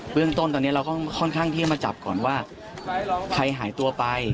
เรื่องต้นตอนนี้เราก็ค่อนข้างที่จะมาจับก่อนว่าใครหายตัวไป